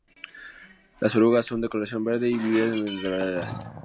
Las orugas son de coloración verde y viven en enredaderas.